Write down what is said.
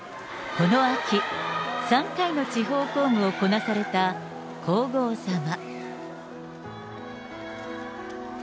この秋、３回の地方公務をこなされた皇后さま。